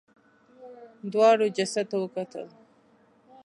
دواړو جسد ته وکتل.